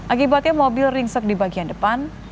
akibatnya mobil ringsek di bagian depan